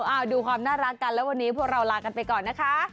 เอาดูความน่ารักกันแล้ววันนี้พวกเราลากันไปก่อนนะคะ